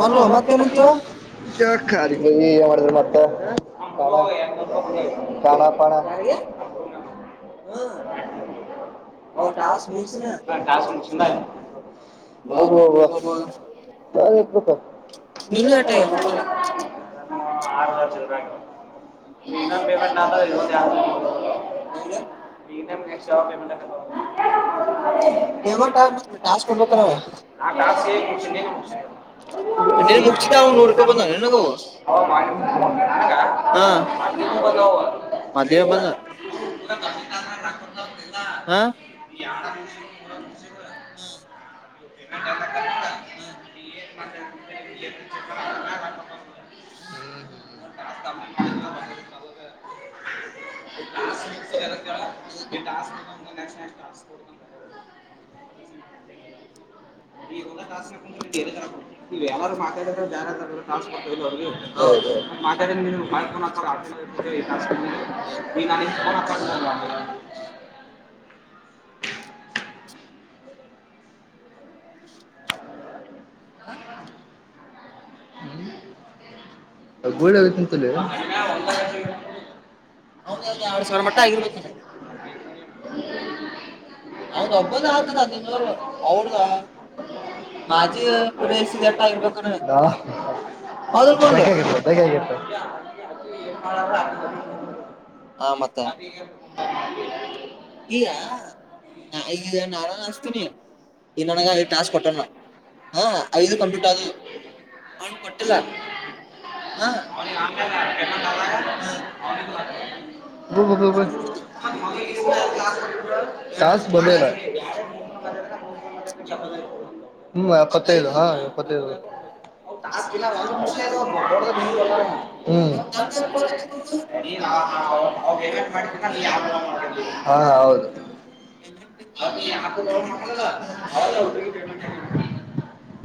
ಮಲ್ಲು ಮತ್ತೇನಂತೀವ ಯಾರಿ [inaudible] ಏ ಮಾಡಿದ ಮತ್ತೆ ಕಾನ ಪಾನ [unintelligible] ಹಾ ಹ ಟಸ್ ನೀ ಾಸ್ ಮು ಚಂತ [inaudible] ಹ ಹಕ [inaudible] ನೀನು ಎಟ್ಟ ಆ ಮ್ ಪೇಮೆಂಟ್ [unintelligible] ಇನಮಿಗ ನೆಕ್ಸ್ಟ್ ಯಾವಾಗ ಪೇಮೆಂಟಾತದ ಅವಗ ಕೆವ ಪೇಮೆಂಟ್ ತ ಆಗ್ಬೇಕು ಕಾಸ ಟಾಸ್ಕ್ ಕೊತ ಹೋಗ್ಬೇಕಾರ ಆ ಕ ನೀ ನಿನ್ ಮುಗಿಸಿದ ಅವ್ನು ನೂರು ರೂಪಾಯಿ ಬಂದ ನಿನಗವು ಹಾ ಮೊದ್ಲೇ [inaudible] [inaudible] ಬ [inaudible] ಹಾ ಲ್ಲ [inaudible] ಹ ಹ [unintelligible] [inaudible] ಹ್ಮ ನ [inaudible] [inaudible] [inaudible] ವ ಮತಸ್ [inaudible] ಹೌದ ಹೌದ ಬಾನ [unintelligible] [inaudible] [inaudible] ಹ [unintelligible] [inaudible] ಹ್ಮ ಗೋಳ ಆಗ ತಿಂತಲ [unintelligible] ಹೌ [inaudible] ಹ ಕ [inaudible] ಎರಡ್ ಸಾವಿರ ಮಟ್ಟ ಆಗಿರ್ಬೇಕು ಅವ್ನ ಒಬ್ಬದ ಆಗ್ತದ ಹದಿನೈದು ಅವ್ರದ ಮಾಜಿ ಪ್ಲೇಸ್ ಎಟ್ಟ ಆಗಿರ್ಬೇಕಾರ ಹಾ ಹೌದಲ್ ಮಲ್ಲು ತಗಗರ್ತ ತಗಗತ್ತ [unintelligible] ಹಾ ಮತ್ತ [inaudible] ಈಗ ಈಗ ನಾನು ಹಚ್ಚತಿನಿ ಬಿಗ್ [inaudible] [unintelligible] ಹಣ್ಣ ಕೊಟ್ಟಿಲ್ಲ ಹಾ ಯಾಕ್ [inaudible] ಹೋಬೇಕಬೇಕ ಟಾಸ್ಕ್ ಬಗ್ಗೆನಾ ಹ್ಮ್ ಎಪ್ಪತ್ತೈದು ಮತ್ತೈದು ಹಾ ಎಪ್ಪತ್ತೈದು ಒಸ್ ಮತ್ತ ನಂದ ಕೊಡಕತ್ತ [inaudible] [unintelligible] ಹ ಹೌದು ಹೌಟ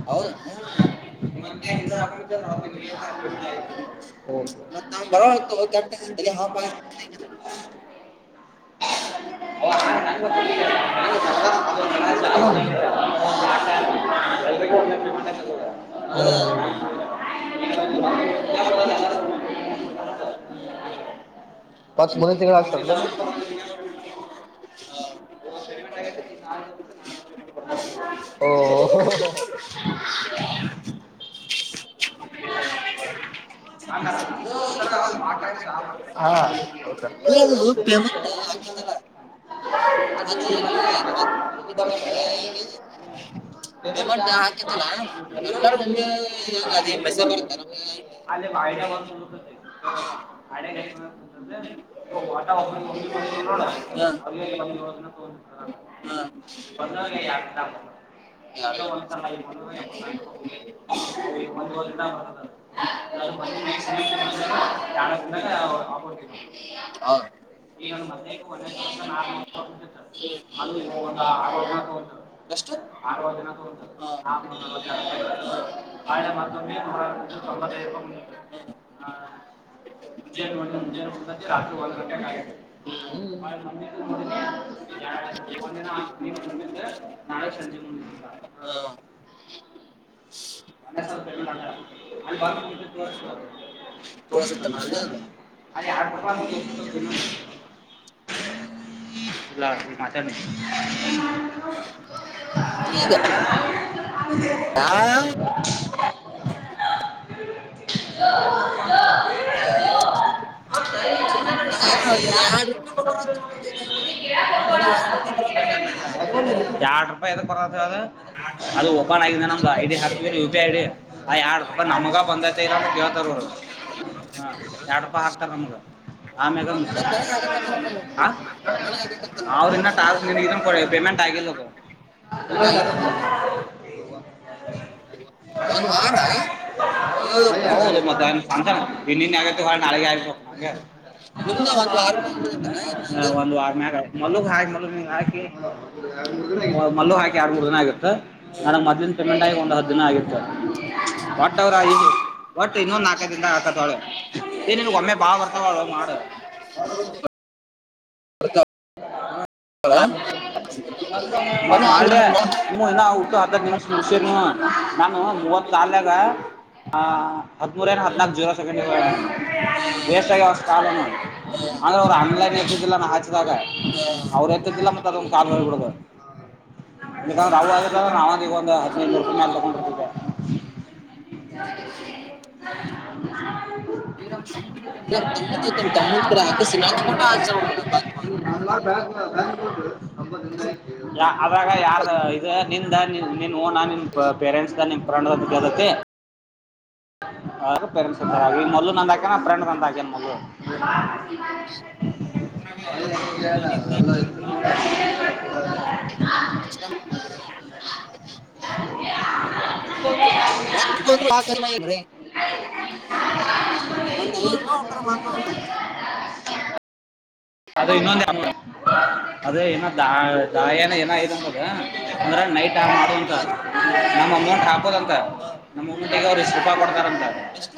ಹೌದ [unintelligible] [inaudible] ಹ [unintelligible] ಬರ ಕ ದ ಹಾಪ [unintelligible] ಸರಿ [unintelligible] ಮ [unintelligible] ಅದೇ ಹ್ಹ [unintelligible] ಮತ್ತ್ ಮುಂದಿನ ತಿಂಗಳ ಹಾಕ್ತಾರನ ಹ್ಮ [unintelligible] [inaudible] [inaudible] ರ [unintelligible] ಬೀಟ್ ಏ ಅದು [unintelligible] ಪೇಮೆಂಟ್ ಹಾಕಿತ್ತಲ್ಲ ಅ ಅದ್ ನಮ್ಗೆ [inaudible] ಇದು ಬರ್ತದೆ [unintelligible] ಶಾರೂಖ್ ಪೇಮೆಂಟ್ ಹಾಕಿತ್ತಲ್ಲ [unintelligible] [inaudible] ಪೈಸೆ [inaudible] ಅಲ್ಲಿ ಭಾಯ ಬ ಬಕ [unintelligible] [unintelligible] ಕೋಗ ಬಂದ ಹಾ ದ ಹಾ ಇಲ್ಲ ಒಂದ್ಸಲಂದೋದ ಬರ್ [unintelligible] ಹಾ ಈಗ ಮತ್ತ [unintelligible] ಅದು ಹದ ಎಷ್ಟು ಎಷ್ಟೇ ಆರವ ದಿನ ತಗತದೆ ಹಾ ಹಾ ನಾಳೆ ಮಕೊ ಹರ ತೊಂಬಡ್ತೈದು [unintelligible] ರತ್ರಿ ಒಂದು ಕಂಟೆ ಹ್ಮಳ ಮುನ ಒಂದಿನಿದ್ದೆ ನಾಳೆ ಸಂಜ ಹ ಹ ಒಂದೇ ಸರ್ ಪೇಮೆಂಟ್ ಆಗ್ತಾ ತೋರಿಸುತ್ತಲ್ಲ ಅಲ್ಲೇ ಅದು. ಇದೆ [unintelligible] ಇಲ್ಲ ಮಾತಾಡ ನೀ ಈಗ ಹೌದು ಆ ಅಲ್ಲಿ [unintelligible] ನೋಡಿ ಯಾರಲ್ಲ ದು ಅದು ಓಪನ್ ಆಗಿದೆ ನಮ್ದು ಅದಕ್ಕೆ ಐಡಿಯಾ ಯು ಪಿ ಐ ಡಿಡ್ ಬ ನಮಗ ಬಂದೈತೆ ಇಲ್ಲ ಕೇಳ್ತಾರ ಅವರು ಹಾ ಎರಡ್ ರೂಪಾಯಿ ಹಾಕ್ತಾರೆ ನಮ್ಗ ಆಮೇ ಮತ್ತೆ ನನಗೆ ಹಾಕಕತ್ತಲ್ಲ ನಾವು ನನಗಾಗಕತ್ತ ನೋಡ ಅವನ್ನ ಟಾರ್ ನಿಮ ಇದ ಕೊ ಪೇಮೆಂಟ್ ಆಗ [inaudible] ನಾ ಏನ್ ಒಂದ್ ವಾರ ಮತ್ತ ಸತಾನ ಇನ್ನ ಇನ್ನ ಆಗ ನಾಳಗ ಆಯಬೇಕ ನಿಮ್ದ ಒಂದ್ ವಾರ ಮ್ಯಾಗ ಬಂದೈತಲ್ಲ ಏನ್ ಹಂಗ ಒಂದು ವಾರನ್ಯಾಗ ಮಲ್ಲುಗ ಹಾಯ ಮಲ್ಲು ನಿಗ ಹಾಕಿ ಮಲ್ಲು ಹಾಕಿ ಯಾಡ ಮೂರು ದಿನ ಆಗಿತ್ತು ನನಗ್ ಮದ್ಲಿನ ಪೇಮೆಂಟ್ ಆಗಿ ಒಂದು ಹತ್ತು ಪಟ್ಟವರ ಹೀಗೆ ಒಟ್ ಇನ್ನೊಂದ್ ನಾಲ್ಕೈ ದಿನದ ಆಗ್ತತ ತಾಳು ಏನಿನ್ಗ್ ಒಮ್ಮೆ ಬಾಳ ಬರ್ತಾವಳು ಮಾಡು ಹ ಹ ಬಂದ ಆಗ ನಳೆ ನೋಡ ನೀ ಏನ ಹುಟ್ಟು ಹತ್ತತ್ತು ನಿಮಿಷ ಮುಸರ್ ನಾನು ಮೂವತ್ ಸಲ್ಯಾಗ ಹಾ ಹದಮೂರ ಏನ ಹತ್ನಾಲ್ಕು ಜವರ ಸೆಕ ಬೇಸಗ ಅವಷ್ಟ ಕಾಲನು ಅಂದ್ರೆ ಅವರು ಅನ್ಲೈನ್ ಎತ್ತಿದಿಲ್ಲ ನಾ ಹ ಅವ್ರರು ಹೆಚ್ಚತಿಲ್ಲ ಮತ್ತ ಅದೊಂದು ಕಾಲ ಮಾಡಿಬಿಡದು ಬೇಕಂದ ರಾವು ಆಗ್ರ ನಾವಗ ಒಂದು ಹದಿನೈದು ನೂರುಪಾಯಿ ಮ್ಯಾಲ ತಕ್ಕೊಂಬಿಡ್ತಿದ್ದೇವು [inaudible] ನ ನ ತಮ್ಮದ ಆಯ್ತು ನಮ್ಮ ತಮ್ಮತ್ ಕಡೆ ಹಾಕಿಸಿ ನನ್ ಫೋಟೋ ಹಾಕ್ಸಮ ನನ್ನಾ ಬ್ಯಾ ಬ್ಯಾಂಕ್ ನಂಬರ ನಿಂದೆ ಆಯತಾ ಆಗ ಯಾರ್ದು ಇದು ನಿಂದ ನಿ ನೀನು ಓನ ನಿನ್ನ ಪೇರೆಂಟ್ಸ್ದ ನಿಮ್ಮ ಫ್ರೆಂಡ್ದ ಅಂತ ಕೇಳ್ತತಿ ಪೇರೆಂಟ್ಸ್ ಮೊದಲು ನಂದ ಹಾಕ ಫ್ರಂಡ್ ನಂದ ಹಾಕನ್ ಮೊದಲು [inaudible] [unintelligible] [unintelligible] ಒಂದು ಏನೂ ಆಥರ ತೋರ್ಸವಲ್ತು ಅದೇ ಇನ್ನೊಂದು ಆದ್ನೊ ಅದೇ ಇನ್ನೊಂದು ದಾಯಾನ ಏನ ಇ ಅಂದದ ಅಂದ್ರೆ ನೈಟ್ ಹಾ ಮಾಡದು ಅಂತ ನಮ್ಮ ಅಮೌಂಟ್ ಹಾಕೋದಂತ. ನಮ್ಮಊಟ್ಟಿಗೆ ಅವರು ಇಷ್ಟ ರೂಪಾಯ ಕೊಡ್ತಾರಂತ. ಎಷ್ಟ?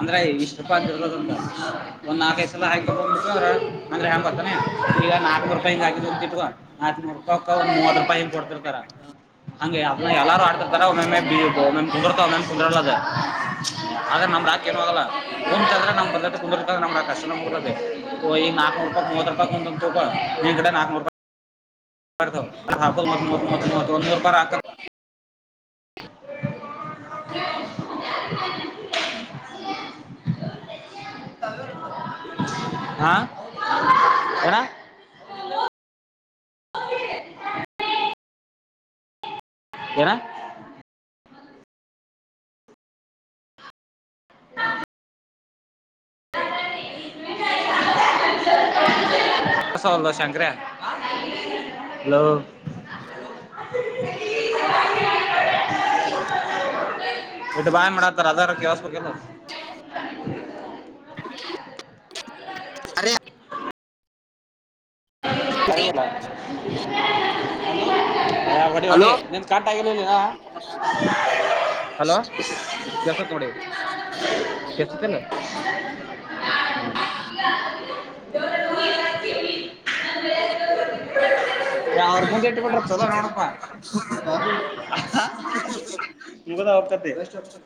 ಅಂದ್ರೆ ಇಷ್ಟ ರೂಪಾಯಿ ಇರ್ತಾದಂತ ಒಂದ್ ನಾಲ್ಕೈ ಸಲ ಹಾಕೊಂಡಬಡ್ತಂದ್ರ. ಅಂದರೆ ಹೆಂಗೊತ್ತನು ಈಗ ನಲ್ಕೂರುೂಪಾಯಿ ಹಕಿದುಂತಿಟಗೋ ನಾಲ್ಕನೂರು ರಪಾಯಿ. ಮೂವತ್ತು ರೂಪಾಯಿ ಇ ಕೊಡ್ತಿರ್ತಾರ ಹಂಗೆ. ಎಲ್ಲಾರು ಆಡ್ತರ್ತಾರ ಒಮ್ಮೊಮ್ಮೆ ಕುಂದುರತಾವ ಒಮ್ಮೊಮ್ಮೆ ಕುಂದ್ರಲ್ಲ ಅದು. ಆದ್ರ ನಮ್ ರಾಕ ಏನುವಾಗಲ್ಲ ಕುಂತಂದ್ರ ನಮ್ ಬಂದೋಟ ಕುಂದ್ರತಗ ನಮ್ರಕ್ಕಷ್ಟ ನಮಕುದತಿ ಮೂವತ್ತು ರೂಪಾಯಿ್ ಒಂದಂತಿಳಕೊ ನೀ ಕಡೆ ನಾಲ್ಕುನೂರು ರೂಪಾಯಿ ಕೊ ಅಲ್ ಹಾಕೋದು ಮುವತ್ತು ಮೂವತ್ತು ಮುವತ್ತು ಒಂದು ನೂರುಪಅರೆ ಆಕ್ಕೈತಿ. [inaudible] [unintelligible] ಬಸ್ಯ ಹಾ ಎಣ [inaudible] [unintelligible] ಏನ. [inaudible] ಹ [inaudible] ಸವಲ್ದೊ ಶಂಕ್ರೆ ಹಲೋ. [inaudible] ಇಟ ಬಾಯ ಮಾಡತ್ತಾರ ಅದಾರ ಕೇಳ್ಸಬಕಿಲ್ಲ. ಅರೇ ಚೈನಾ [unintelligible] ಯಾ ವಡಿ ಹೊಡಿ ಹಲೋ ನಿನ್ ಸ್ಟಾರ್ಟ್ ಆಗಿಲ್ಲಿಲ ಇನ. ಹಲೋ ಕೇಳ್ಸತು ನೋಡು ಈಗ. ಆತಿಲ. ಹ ಹ ಯ್ರ ಮುಂದೆ ಇಟ್ಟು ಬಿಟ್ರ ಚಲೋ ನೋಡಪ್ಪ. ಇವಾಗ ಹೋಗ್ತತಿ ಆಪ್ಚತಷ್ಟ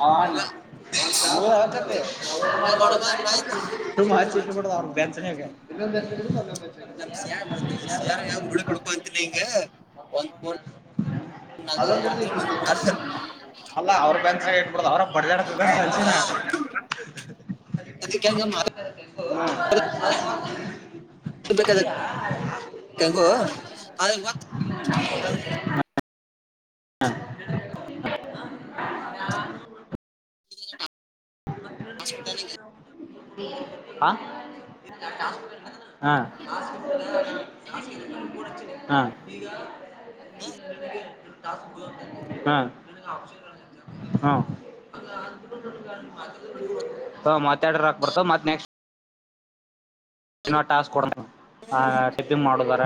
ಹ ಅಣ್ಣ. ಹಂಗ ನ ಅಚ್ಚತ್ತೆ ಹಂಗ ಮಾಡಮ್ಮ ನಾ ಏನ್ ಸುಮ್ನ ಮಾಚಿಟ್ಟುಪಡದ ಅವ ಬೆನ್ನ. ಹ ಇಲ್ಲಂದ್ ಹಚ್ಚು ಅಲ್ಲೊಂದು ಹಚ್ಚು. ನ ಸ ಮುಳು ಕುಡ್ಕಂತನ ಒಂದ ಕುಂತ ನ ಹಿಂಗ. ನನ್ ಫೋನ್ ಅದೊಂದು ಹೆಸರು ಬರ್ತಿಲ್ಲ ನೀನ. ಹೇಟ್ಬಿಡದ ಅವ್ರ ಬಡಜಡಗ ಕಲ್ಸಿನ. ಮತ್ತ ಕ ಹೆಂಗ ಮರ. ಹ್ಮ ಈಗ ಹರ ಕೆಂಗೋ ಆಲಿಬಾ ಹ ಹಾಸ್ಪಿಟಲ್ ಇದೆ ಹಾ ಹಾ ಹಾ ಹಾ ಹಾ್ ಹಾ ಹ ಮಾತಾಡ್ರ ಆಾಕ್ಬಡ್ತ ಮತ್ತ್ ನೆಕ್ಸ್ಟ್. ಏನೋ ಟಾಸ್ಕ್ ಕೊಡ ಟಿಪ್ಪಿಂಗ್ ಮಾಡುದಾರ.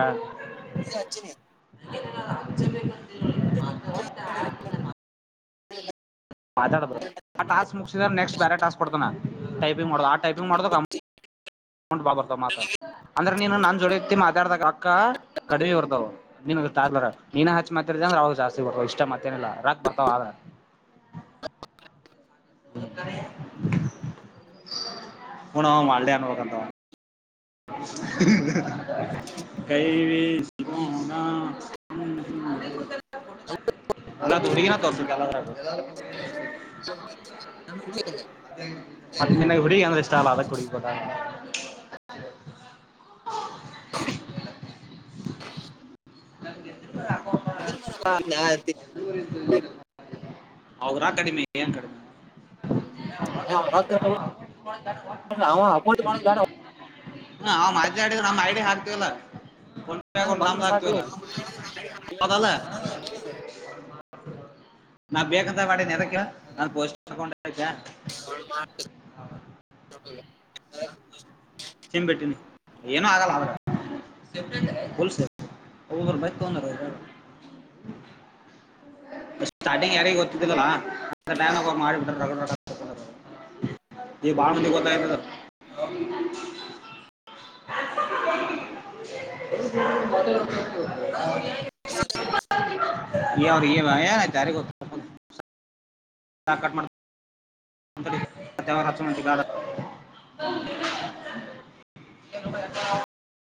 ಅ ಅಚ್ಚನ ಅಚಿನಿ ಹ [unintelligible] ಮಾತಾಡದ ಆ ಟಾಸ್ಕ್ ಮುಗಸಿದ್ರ ನೆಕ್ಸ್ಟ್ ಬೇರೆ ಟಾಸ್ಕ್ ಕೊಡ್ತಾನ ಟೈಪಿಂಗ್ ಮಾಡೋದ್ ಆ ಟೈಪಿಂಗ್ ಮಾಡೋದಕ್ ಅಮ್ ಂಟ್ ಬಾಳ್ ಬರ್ತಾವ್ ಮಾತ ಅಂದ್ರ ನೀನು ನನ್ ಜೋಡೀ ಎತ್ತಿ ಮಾತಾಡ್ದಾಗ ರೊಕ್ಕ ಕಡಿಮೆ ಬರ್ತಾವ್ ನೀ ನೀನ ಹಚ್ಚಿ ಮಾತಾಡಿದ್ಯಂದ್ರ ಅವ್ ಜಾಸ್ತಿ ಬರ್ತಾವ್‌ ಇಷ್ಟ ಮತ್ತೇನಿಲ್ಲ ರೊಕ್ ಬರ್ತಾವ ಆದ್ರ [unintelligible] [unintelligible] [unintelligible] ನಾನು ಹುಡುಗ [unintelligible] ಅದ್ರ [unintelligible] [unintelligible] [inaudible] [unintelligible] ಅವೂರಾಗ್ ಕಡಿಮೆ ಏನ್ ಕಡಿಮೆ [unintelligible] ಹಾ ನಾವ್ ಮಾತನಾಡಿದ್ರ ನಮ್ಮ ಐಡಿಯ ಹಾಕ್ತೀವಲ್ಲ ಫೋನ್ ಪೇ ಬೇಡ ಅಕೌಂಟ್ ನಂಬ್ದು ಬಂದ್ರೆ ಹಾಕ್ತಿವಲ್ಲ ಸಾಕಲ್ಲ ಹೌದಲ್ಲ ನಾ ಬೇಕಂತ ಮಾಡೀದ್ನ ನಂದ್ ಪೋಸ್ಟಿಂದ ಅಕೌಂಟ್ ಐತ್ಯಾ [unintelligible] ಸಿಂ ಬಿಟ್ಟಿನಿ ಏನೂ ಆಗಲ್ಲ ಆದ್ರ [unintelligible] ಸ್ಟಾರ್ಟಿಂಗ್ ಯಾರಿಗೂ ಗೊತ್ತಿದ್ದಿಲ್ಲಣಾ ಹಂತಾ ಟೈಮ್ದಾಗ ಅವ್ರ ಮಾಡಿಬಿಟ್ಟಾರ ರಗಢ [unintelligible] [inaudible] [unintelligible] ಇ [inaudible] ಯ ಯ ತಾರ [unintelligible] ಸಾ ಕಟ್ ಮಾಡ್ತೀನಿ ಅಂತವರ ಹಚಮಂತ ಗಾದ [unintelligible] ಎರ [inaudible]